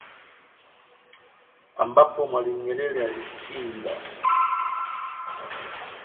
ambapo Mwalimu Nyerere alipinga